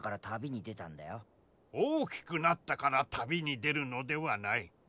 大きくなったから旅に出るのではない。